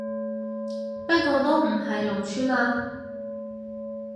不過都唔係農村嘞